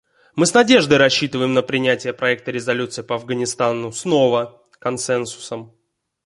Мы с надеждой рассчитываем на принятие проекта резолюции по Афганистану снова консенсусом.